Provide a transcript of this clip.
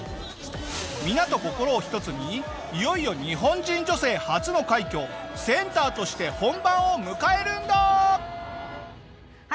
皆と心を一つにいよいよ日本人女性初の快挙センターとして本番を迎えるんだ！